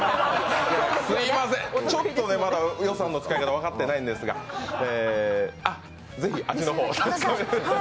すみません、ちょっとまだ予算の使い方分かってないんですがぜひ、味の方をお確かめください。